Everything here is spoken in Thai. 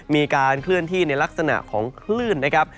มีการเคลื่อนที่ในลักษณะของคลื่นนะครับ